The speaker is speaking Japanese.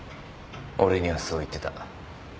俺にはそう言ってた。